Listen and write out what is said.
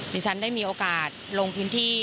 ดิฉันได้มีโอกาสลงพื้นที่